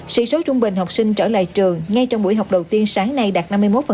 sĩ số trung bình học sinh trở lại trường ngay trong buổi học đầu tiên sáng nay đạt năm mươi một